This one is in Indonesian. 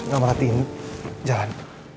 gak mau latihan jalan